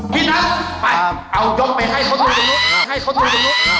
พี่นักไปเอายกไปให้คนมือจังนุก